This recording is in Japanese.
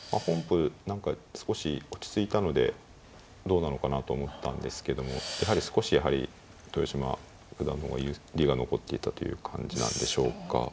本譜何か少し落ち着いたのでどうなのかなと思ったんですけどもやはり少し豊島九段の方が有利が残っていたという感じなんでしょうか。